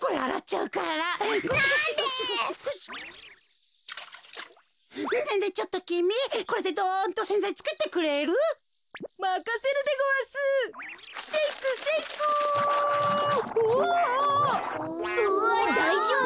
うわっだいじょうぶ？